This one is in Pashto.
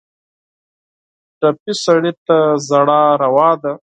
ټپي سړی ته ژړا روا ده.